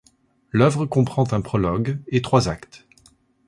L'œuvre comprend un prologue et trois actes.